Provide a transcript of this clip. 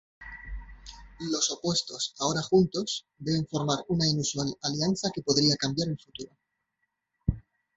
Los opuestos, ahora juntos, deben formar una inusual alianza que podría cambiar el futuro.